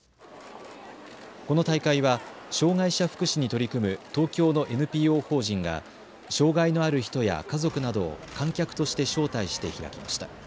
この大会は障害者福祉に取り組む東京のＮＰＯ法人が障害のある人や家族などを観客として招待して開きました。